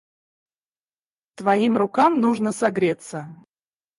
Твоим рукам нужно согреться.